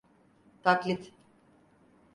Taklit.